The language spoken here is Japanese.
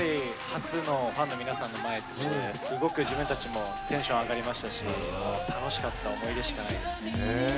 初のファンの前の皆さんですごく自分たちもテンション上がりましたし楽しかった思い出しかないですね。